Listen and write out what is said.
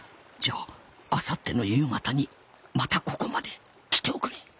じゃああさっての夕方にまたここまで来ておくれ。